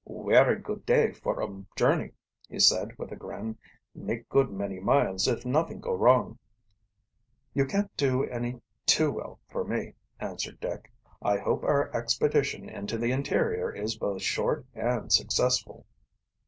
"Werry good day for um journey," he said, with a grin. "Make good many miles if nothing go wrong." "You can't do any too well for me," answered Dick. "I hope our expedition into the interior is both short and successful."